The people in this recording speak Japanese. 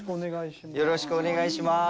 よろしくお願いします。